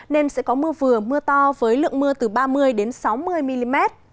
nên sẽ có mưa vừa mưa to với lượng mưa từ ba mươi sáu mươi mm